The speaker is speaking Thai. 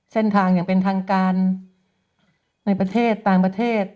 เส้นทางอย่างเป็นทางการในประเทศต่างประเทศ